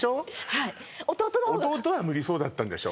はい弟の方が弟は無理そうだったんでしょ？